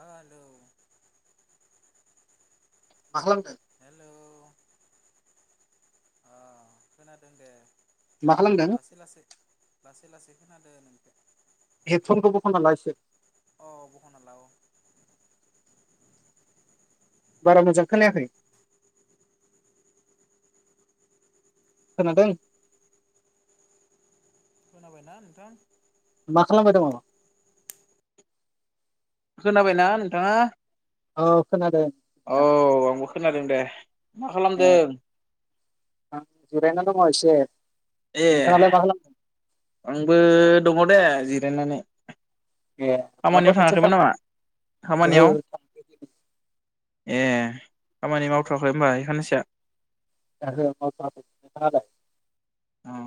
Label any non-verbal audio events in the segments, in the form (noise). आ हेलौ मा खालामदों (inaudible) मा खालामदों लासै लासै लासै लासै खोनादो नोंखो हेडफनखौ बखना ला एसे अ बखना ला औ बारा मोजां खोनायाखै खोनादों खोनाबायना नोंथां मा खालामबाय दंङ खोनाबायना नोंथाङा औ खोनादों औ आंबो खोनादों दे मा ए खालामदों आं जिरायना दङ एसे ए नोंथाङालाय मा खालामदों आंबो दङ दे जि जिरायनानै ए माबा खामानियाव मोनसे थाङाखैमोन सानदों नामा ओहो खामानियाव थांथ'वाखै दिनै। ए खामानि मावथ'वाखै होमबा ए खानैसोया ओहो मावथ'आखै नोंथाङा लाय औ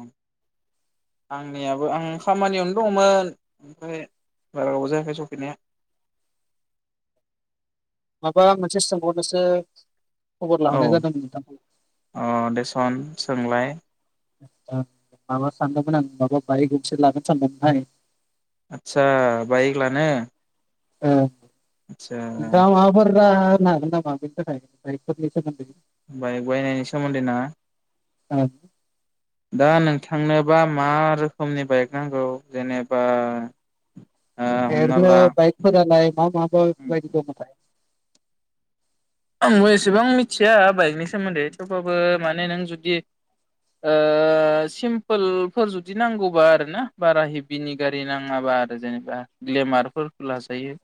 आंनियाबो आं खामानियावनो दंमोन ओमफ्राय बारा गोबाव जायाखै सफैनाया माबा मोनसे सोंहरनोसो औ अ देसन। सोंलाय ओ माबा सानदोंमोन आं माबा बायक गंसे लागोन सानदोंमोनहाय। आतसा बाइक लानो ओ आतसा। नोंथाङा (unintelligible) बाइक बायनायनि सोमोन्दै ना? औ। दा नोंथांनोबा मा रोखोमनि बाइक नांगौ जेनेबा ओ हमना ओरैनो ला बाइकफोरा लाय मा माबायदि दङथाय आंबो एसेबां मिथिया बाइकनि सोमोन्दै थेवब्लाबो माने नों जुदि ओ सिमपोलफोर जुदि नांगौबा आर ना बारा हेभिनि गारि नाङाबा आरो जेनेबा ग्लेमारफोरखौ लाजायो।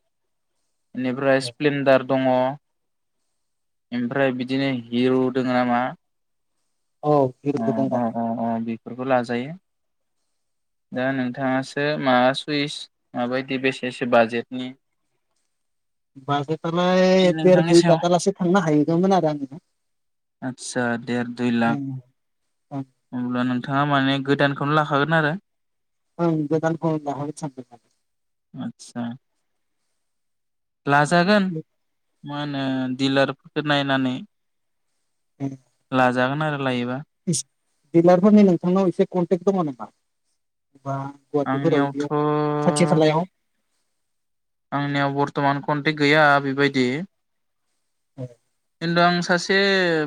बेनिफ्राय स्प्लेडार। दङ। ओमफ्राय बिदिनो हिरु दोङो नामा। औ अ हिरुबो अ दोङो। अ अ बेफोरखौ लाजायो दा नोंथाङास (unintelligible) मा सुइस माबायदि बेसेसो बाजेटनि। बे बाजेटालाय देर नोंथांनि दुइ सायाव लाखा लासे थांनो हाहैगोमोन आरो आंनि आदसा देर दुइ लाख उम अब्ला नों नोंथाङा माने गोदानखौनो लाखागोन आरो औ गोदानखौ लाखागोन सानदोंमोन। आदसा लाजागोन मोन। ओ दिलारफोर नायनानै ला जागोन आरो लायोबा। इस दिडिलारफोरनि नोंथांनाव एसे कन्टेक्ट दङ नामा बा गुवाहाटिफोराव आंनियावथ' बिदियाव खाथि खालायाव आंनियाव बरतमान कनटेक्ट गैया बेबायदि। औ। खिन्थु आं सासे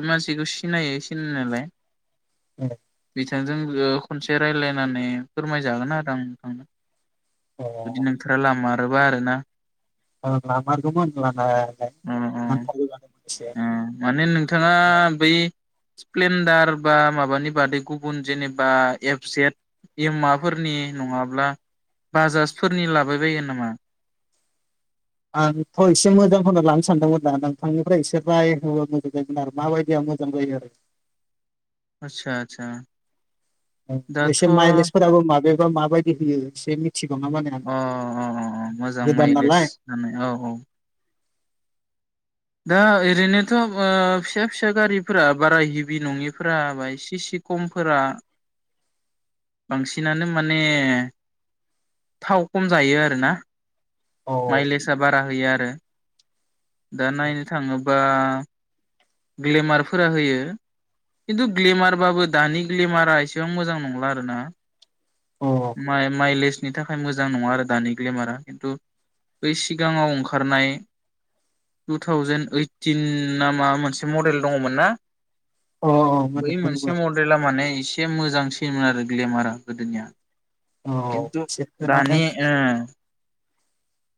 मानसिखौ सिनायो सिनायनायालाय। (unintelligible) नोंथजों लो खनसे रायज्लायनानै फोरमायजागोन आरो आं नोंथांनो। जुदि नोंथाङा लामा (unintelligible) आरो ना। औ लामारगौमोन लानायालाय अ अ नांथारगौ जादोमोन। माने नोंथाङा बै स्प्लेन्डार बा माबानि बादै गुबुन जेनेबा एफसेट एम माफोरनि नङाब्ला बाजाजफोरनि लाबायबायगोन नामा? आंथ' एसे मोजांखौना लानो सानदोंमोन दा नोंथांनिफ्राय एसे रायहा मोजां जायोमोन आरो माबायदिया मोजां जायो आरो। आतसा आतसा। एसे माइलेजफोराबो माबे माबायदि होयो एसे मिथिगौ ना माने आं अ अ मोजां गोदान माइलेज नालाय होनाय औ औ। दा ओरैनोथ' फिसा फिसा गारिफोरा बारा हिभि नङिफोरा सि सि खमफोरा बांसिनानो माने थाव खम जायो आरोना। औ माइलेजआ बारा होयो आरो। दा नायनो थाङोबा ग्लेमारफोरा होयो खिन्थु ग्लेमारबाबो दानि ग्लेमारा एसेबां मोजां नंला आरोना। अ माइ माइलेजनि थाखाय मोजां नङा आरो दानि ग्लेमारा खिन्थु बै सिगाङाव ओंखारनाय टु थावजेेनड ओइटिन ना मा मोनसे मडेल दङमोन ना? अ बै मोदोमदोंमोन मोनसे मडेला माने एसे मोजांसिन। होयोमोन आरो ग्लेमारा गोदोनिया। औ खिन्थु एसे खोनादों दानि ओ एसे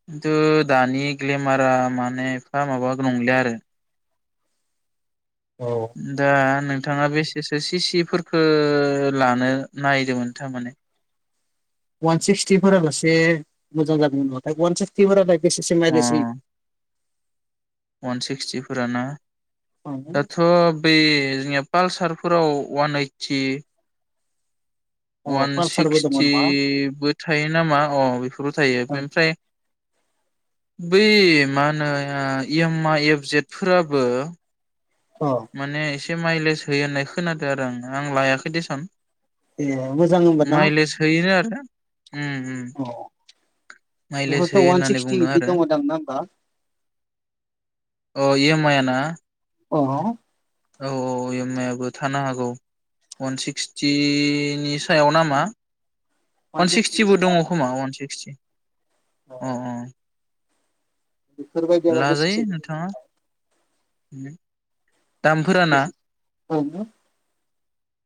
खिन्थु दानि ग्लेमारा माने एफा माबा नंला आरो। औ दा नोंथाङा बेसेसो सिसि फोरफोरखौ लानो नायदोंमोन थारमाने। अवान सिक्सटिफोर लासे मोजां जादोंमोन नाथाय अवान सिक्सटिफोरा। बेसेसो अ मायलेज होयो? अवान सिक्सटिफोरना होयो दाथ' बे जोंनिया पालसारफोराव अवान ओइटि औ अवान पालसारबो दङ नङा सिक्सटिबो थायो नामा? अ। बेबो थायो बेनिफ्राय बै मा होनो इएम आ एप जेटफोराबो अ माने एसे माइलेज होयो होननाय खोनादों आरो आं आं लायाखै देसन। ए मोजां होमबा ना? माइलेज होयोनो आरो उम उम अ माइलेज बेफोरथ' होयो अवान होननानै सिक्सटि बुंदों बिदि आरो दङ दां ना होमबा? अ एमाया ना? अ। औ औ इएम आइ आबो थानो हागौ अवान सिक्सटिनि सायाव नामा? वान अवान सिक्सटिनि सिक्सटिबो सायाव दङ खोमा अवान सिक्सटि। ओ ओ बेफोरबायदियाव लाजायो (unintelligible) नोंथाङा (unintelligible) दामफोराना (unintelligible)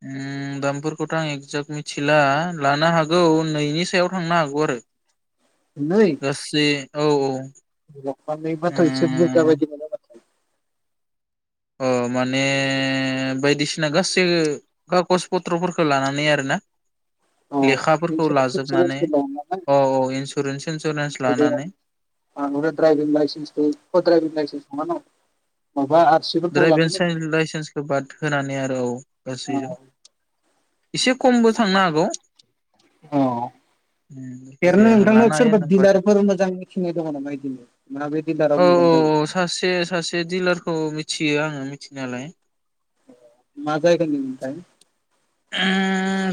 उम दामफोरखौथ आं एगजेक्ट मिथिला लानो हागौ नैनि सायाव थांनो हागौ आरो नै गासै औ औ (unintelligible) एसे बुरजा बायदि मोनो माथो अ माने बायदिसिना गासै खागज पत्रफोरखौ लानानै आरोना अ लेखाफोरखौ इन्सुरेन्स लाजोबनानै इन्सुरेन्सफोर दं औ औ इन्सुरेन्स इन्सुरेन्स लानानै नालाय (unintelligible) द्राइभिं लाइन्स अ द्राइभिं लाइसेन्स नंङा न माबा आरसिफोरखौ लानांगोन ड्राइभिं लाइसेन्सखौ बाद होनानै आरो औ गासैजों एसे खमबो थांनो हागौ अ एरनो जायखिजाया नोंथांनाव लानो हायो सोरबा नों बाजेट दिलारफोर मोजां मिथिनाय दङ नामा बिदिनो मा बे औ दिडिलाराव मोजां औ जायो थियो आङो मिथिनायालाय माजायगानि मोनथाय ओ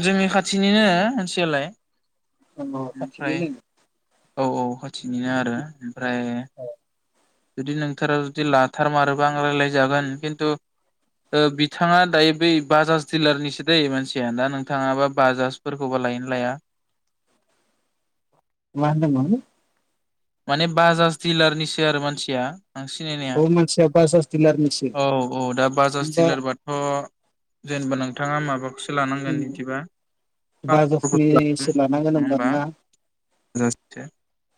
जोंनि खाथिनिनो मानसियालाय अ ओमफ्राय खाथिनिनो औ औ खाथिनिनो आरो ओमफ्राय जुदि नोंथारा जुदि लाथारमारोबा आं राय्लायजागोन खिन्थु ओ बिथाङा दायो बै बाजाज दिलारनिसो दै मानसिया दा नोंथाङाबा बाजाजफोरखौबा लायनो लाया मा होनदोंमोन माने बाजाज दिलारनिसो आरो मानसिया आं सिनायनाया अ मानसिया बाजाज डिलारनिसो औ औ दा बाजाज होमबा दिलारबाथ जेनेबा नों थांङा माबाफोर सों लानांगोन बिदिबा बाजाजनिसो लानांगोन होनबा ना (unintelligible)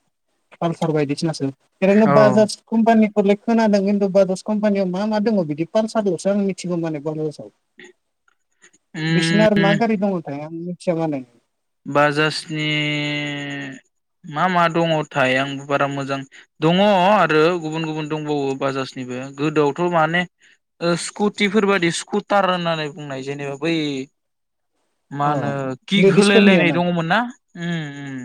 फाल सार बायदिसिनासो ओरैनो औ बाजाज कम्पानिखौ लाय खोनादों खिन्थु बाजज कम्पानियाव मा मा दङो बिदि फालसार लसो आं मिथिगौ माने (unintelligible) बिसना आरो मा उम गारि दङ थायो मिथिया मानो बाजाजनि मा मा दंङथाय आं बारा मोजां दंङ आरो गुबुन गुबुन दंबावो बाजाजनिबो गोदोआवथ माने ओ स्कुटिफोर बादि स्कुटार होननानै बुंनाय जेनेबा बै अ मानो खिक लेडिसफोरनिया रायलायनाय नामा दङमोन ना उम उम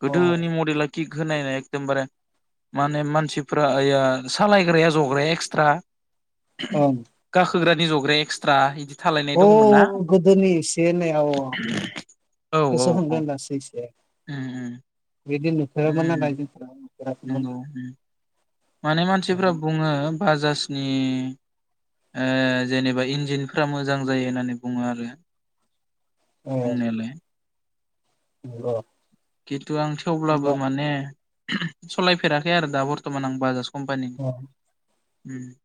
(inaudible) औ गोदोनि मडेला किक होनायनाय एकदमबारे माने मानसिफ्रा ऐया सालायग्राया जग्राया एक्सट्रा ओं गाखोग्रा जग्राया एक्सट्रा इदि थालायनाय अ दङमोन ना गोदोनि एसे ओननाया अ औ औ औ उम उम। उम (unintelligible) नंगौ उम। माने मानसिफ्रा बुङो बाजासनि ओ जेनेबा इन्जिनफोरा मोजां जायो होननानै बुङो आरो ए बुंनायालाय। (unintelligible) किर तु आं थेवब्लाबो होमबा माने सलायफेराखै आरो दा बर्टमान आं बाजाजखौ। अ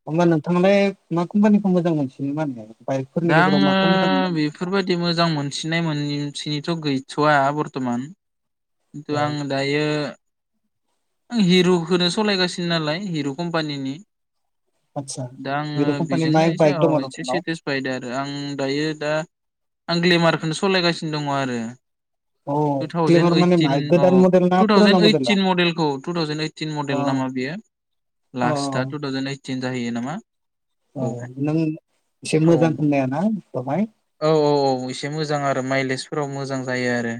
होमबा नोंथाङालाय मा कम्पानिखौ मोजां मोनसिन (unintelligible) दा आङो बेफोरबादि मोजां मोनसिननाय मोनि थिनिथ' गैथ'वा बरत'मान। तु औ आं दायो आं हिरुखोनो सलायगासिनो नालाय हिरु कम्पानिनि। आदसा दा आङो हिर' कम्पानि मा बिजोंनो एसे बाइक दङ एसे नोंथांनाव सेटिसफाइद आरो आं दायो दा आं ग्लेमारखोनो सलायगासिनो दङ आरो। अ टु थावजेन ग्लेमार माने ओइटिन माय गोदान मडेल ना पुराना मडेला? औ टु थावजेन ओइटिन अ मडेल नामा बेयो अ लास्टआ टु थावजेन ओइड टिन जाहैयो नामा? अ औ नों एसे औ मोजां होननाया ना बेखौहाय औ औ औ एसे मोजां आरो माइलेजफोराव मोजां जायो आरो।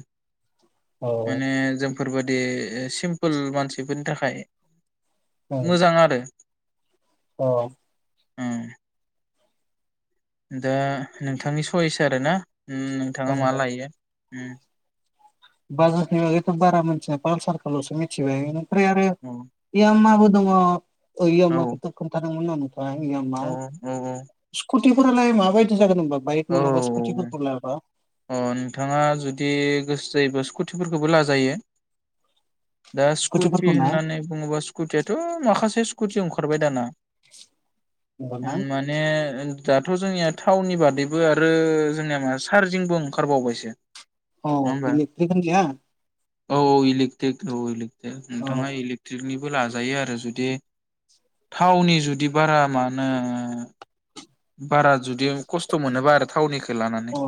औ माने जों फोरबादि सिमप पोल मानसिफोरनि थाखाय मोजां आरो। अ। उम दा नोंथांनि सयेस आरो ना। उम नोंथाङा ओं मा लायो। उम (unintelligible) बागैथ बारा मोनथिया फालसारखो लसो मिथिबाय। फ्राय आरो इयाम माबोद दङ। ओइयाम औ माखौथ खोनथा। (unintelligible) फ्राय याममा औ औ सिकुथ थि फोरालाय माबाय जागोन ओनबाब औ अ नोंथाङा जुदि गोसो जायोबा स्कुट थुफोरखौबो लाजायो। दा स्कुटि स्कुटिफोरखौ ना होननानै बुङोबा स्कुटियाथ माखासे स्कुटियाव ओंखारबाय दाना। उम होमबाना माने‌ ओम दाथ' जोंनिया थाउनि बादैब बो आरो जोंनिया मा चारजिंबो ओंखारबावबायसो। औ नङा होमबा (unintelligible) औ औ इलिकट्रिक औ इलिक दो औ नोंथाङा इलेक्ट्रिकनि बो लाजायो आरो जुदि थावनि जुदि बारा मा होनो‌ बारा जुदि खस्थ मोनोबा आरो थावनिख अ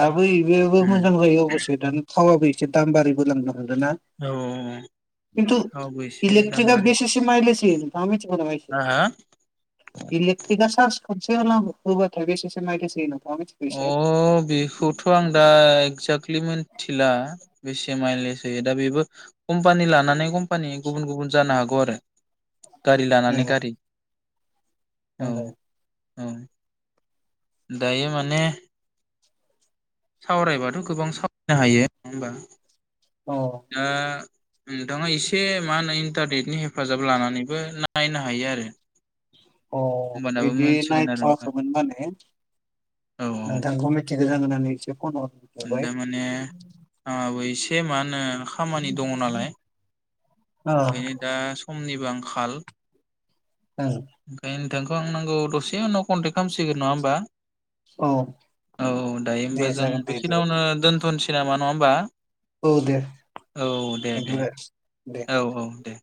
दाबो इबो बो उम मोजां जायो अबसे दानि थावाबो एसे दाम बारि बोलांदो। औ औ ओ थु इलेक्ट्रिका बेसेसो माइलेज होयो नोंथांङा मिथिगोना? हो इलेक्ट्रिरकआ साज खनसे (unintelligible) बेसेेसो (unintelligible) अ बेखौथ आं दा इकजा जाकलि मोनथिला बेसे मायेल एसे दा बेबो कम्पानि लानानै कम्पानि गुबुन गुबुन ज जानो हागौ आरो गारि ए लानानै गारि। औ (unintelligible) औ दायो मान ने सावरायबाथ' गोबां सावरायनो हायो, नङा होनबा? औ ओ नोंथाङा एसे मा होनो इन्टारनेटनि हेफाजाब लानानैबो नायनो हायो आरो। अ होमबानाबो बिदि मोनथिगोन आरो नोंथां नायथ'वाखैमोन माने। औ नोंथांखौ मिथि (unintelligible) उम दा माने आङाबो इसे से मानो खामानि दङ नालाय अ ओंखायनो दा समनिबो आं खाल ओं ओंखायनो नोंथांखौ आं नांगौ दसे उनाव कन्टेक्ट खालामसिगोन नङा होमबा? औ (inaudible) औ दायो दे होमबा जों जागोन दे बिदिबालाय बेखिनियावनो दोनथ'नोस सै नामा नङा होमबा? औ दे औ (inaudible) दे दे थेंकिउ दे औ औ दे